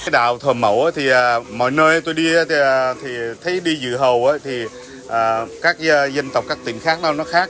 đạo thờ mẫu thì mọi nơi tôi đi thì thấy đi dự hầu thì các dân tộc các tỉnh khác nó khác